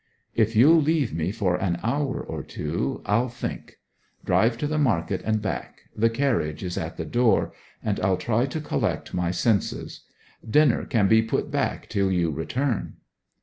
'If you'll leave me for an hour or two I'll think. Drive to the market and back the carriage is at the door and I'll try to collect my senses. Dinner can be put back till you return.'